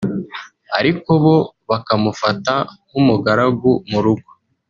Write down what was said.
ariko bo bakamufata nk’umugaragu mu rugo